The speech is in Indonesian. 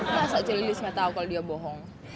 masa celili semua tau kalau dia bohong